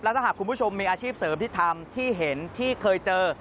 ถ้าหากคุณผู้ชมมีอาชีพเสริมที่ทำที่เห็นที่เคยเจอ